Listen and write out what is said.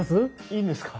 いいんですか？